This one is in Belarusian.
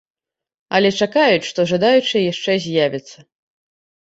Але чакаюць, што жадаючыя яшчэ з'явяцца.